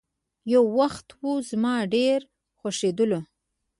يو وخت وو، زما ډېر خوښيدلو.